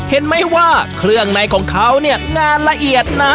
เห็นไหมว่าเครื่องในของเขาเนี่ยงานละเอียดนะ